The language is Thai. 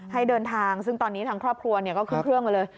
ให้เดินทางซึ่งตอนนี้ทางครอบครัวก็ขึ้นเครื่องมาเลย